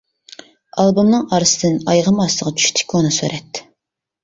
ئالبومنىڭ ئارىسىدىن ئايىغىم ئاستىغا چۈشتى كونا سۈرەت.